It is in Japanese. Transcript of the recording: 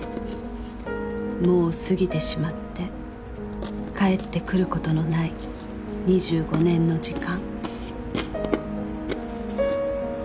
もう過ぎてしまって帰ってくることのない２５年の時間。